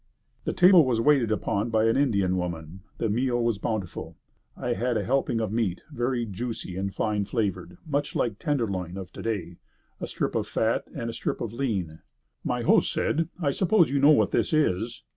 The table was waited upon by an Indian woman. The meal was bountiful. I had a helping of meat, very juicy and fine flavored, much like tenderloin of today, a strip of fat and a strip of lean. My host said, "I suppose you know what this is?"